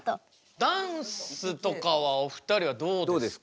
ダンスとかはお二人はどうですか？